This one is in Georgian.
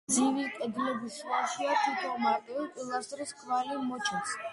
გრძივი კედლების შუაში თითო მარტივი პილასტრის კვალი მოჩანს.